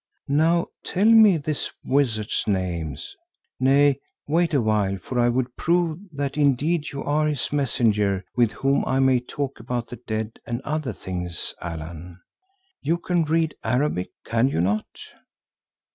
Now tell me this wizard's names. Nay, wait awhile for I would prove that indeed you are his messenger with whom I may talk about the dead, and other things, Allan. You can read Arabic, can you not?"